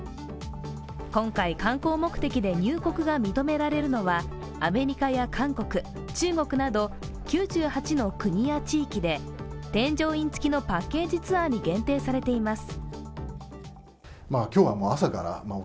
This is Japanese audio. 今回、観光目的で入国が認められるのはアメリカや韓国中国など９８の国や地域で、添乗員付きのパッケージツアーに限定されています。